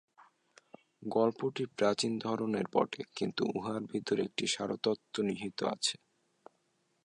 গল্পটি প্রাচীন ধরনের বটে, কিন্তু উহার ভিতরে একটি সারতত্ত্ব নিহিত আছে।